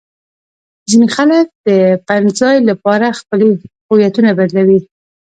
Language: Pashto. ځینې خلک د پټنځای لپاره خپلې هویتونه بدلوي.